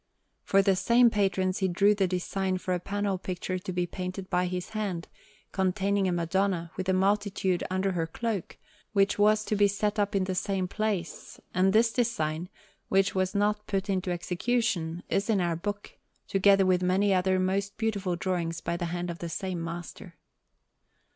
For the same patrons he drew the design for a panel picture to be painted by his hand, containing a Madonna with a multitude under her cloak, which was to be set up in the same place; and this design, which was not put into execution, is in our book, together with many other most beautiful drawings by the hand of the same master.